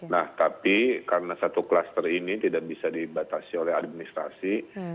nah tapi karena satu klaster ini tidak bisa dibatasi oleh administrasi